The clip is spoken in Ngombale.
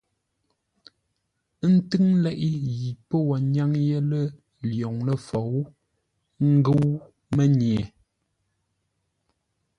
Ə́ ntʉ́ŋ leʼé yi pə́ wo nyáŋ yé lə̂ lwoŋ ləfou ə́ ngə́u mənye.